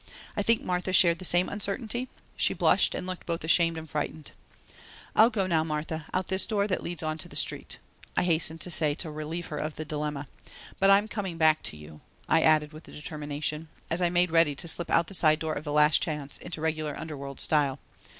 I think Martha shared the same uncertainty; she blushed and looked both ashamed and frightened. "I'll go now, Martha, out this door that leads onto the street," I hastened to say to relieve her of the dilemma. "But I'm coming back to you," I added with determination, as I made ready to slip out the side door of the Last Chance in regular underworld style.